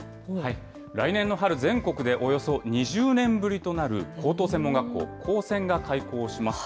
来年の春、全国でおよそ２０年ぶりとなる高等専門学校・高専が開校します。